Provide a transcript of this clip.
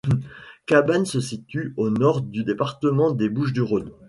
Cabannes se situe au nord du département des Bouches-du-Rhône.